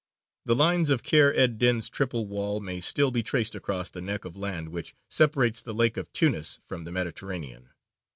The lines of Kheyr ed dīn's triple wall may still be traced across the neck of land which separates the lake of Tunis from the Mediterranean.